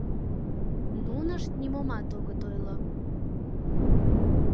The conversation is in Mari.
Нунышт нимомат огыт ойло.